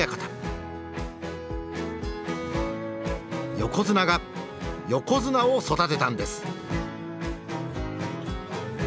横綱が横綱を育てたんです。